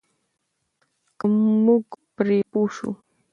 که موږ پرې پوه شو.